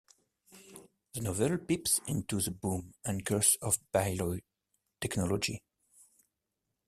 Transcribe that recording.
The novel peeps into the boom and curse of biotechnology.